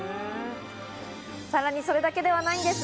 さらにそれだけではないんです。